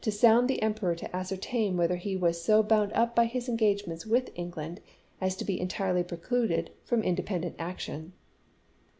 sound the Emperor to ascertain whether he was so bound up by his engagements with England as to be entirely precluded from independent action.